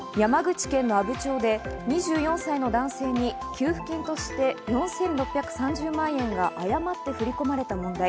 山口県阿武町で２４歳の男性に給付金として４６３０万円が誤って振り込まれた問題。